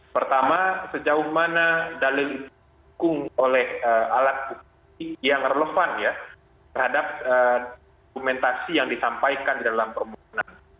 pertama sejauh mana dalil itu didukung oleh alat bukti yang relevan ya terhadap dokumentasi yang disampaikan di dalam permohonan